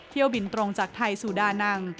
เที่ยวบินตรงจากไทยสู่ดานัง